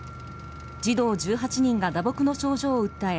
児童１８人が打撲の症状を訴え